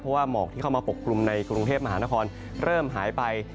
เพราะว่าหมอกที่เข้ามาปกกลุ่มในกรุงเทพมหานครเริ่มหายไป